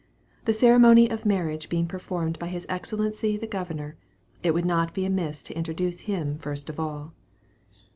The ceremony of marriage being performed by his Excellency the Governor, it would not be amiss to introduce him first of all.